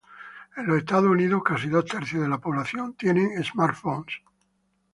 En los Estados Unidos, casi dos tercios de la población tienen smartphones.